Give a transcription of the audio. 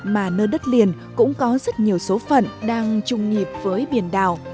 mà nơi đất liền cũng có rất nhiều số phận đang trùng nhịp với biển đảo